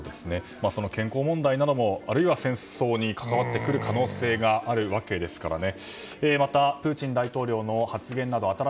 その健康問題なども戦争に関わってくる可能性があるわけですからね。